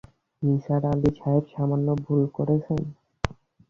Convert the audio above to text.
নিসার আলি সাহেব সামান্য ভুল করেছেন?